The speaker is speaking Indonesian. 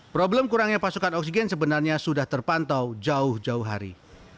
problem kurangnya pasokan oksigen sebenarnya sudah terpantau jauh jauh hari